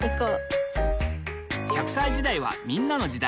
磽隠娃歳時代はみんなの時代。